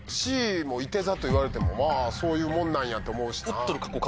いて座と言われてもまぁそういうもんなんやと思うしな。